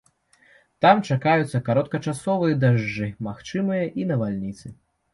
Там чакаюцца кароткачасовыя дажджы, магчымыя і навальніцы.